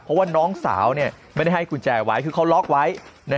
เพราะว่าน้องสาวไม่ได้ให้กุญแจไว้คือเขาล็อกไว้